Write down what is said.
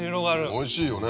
おいしいよね。